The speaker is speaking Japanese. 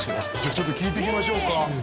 ちょっと聞いていきましょうかねえ